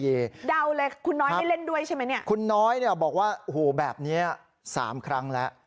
เดาเลยคุณน้อยให้เล่นด้วยใช่ไหมคุณน้อยบอกว่าแบบนี้๓ครั้งแล้ว